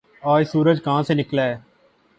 آج سورج کہاں سے نکلا ہے